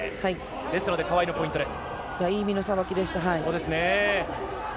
ですので川井のポイントです。